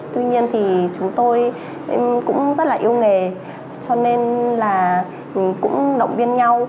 tuy nhiên thì chúng tôi cũng rất là yêu nghề cho nên là cũng động viên nhau